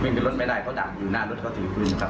วิ่งกับรถไม่ได้เขาดับอยู่หน้ารถเขาถือพื้นครับ